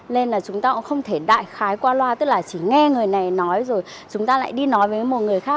nên là chúng ta cũng không thể đại khái qua loa tức là chỉ nghe người này nói rồi chúng ta lại đi nói với một người khác